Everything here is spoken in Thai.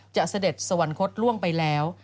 เสด็จสวรรคตล่วงไปแล้ว